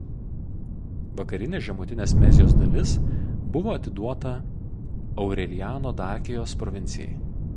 Vakarinė Žemutinės Mezijos dalis buvo atiduota Aureliano Dakijos provincijai.